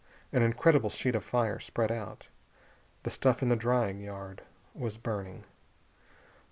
An incredible sheet of fire spread out. The stuff in the drying yard was burning.